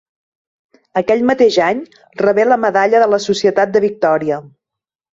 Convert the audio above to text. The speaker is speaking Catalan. Aquell mateix any rebé la Medalla de la Societat de Victòria.